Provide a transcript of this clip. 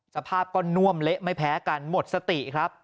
สภาพก็น่วมเละไม่แพ้กันหมดสติครับ